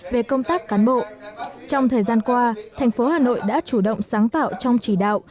về công tác cán bộ trong thời gian qua thành phố hà nội đã chủ động sáng tạo trong chỉ đạo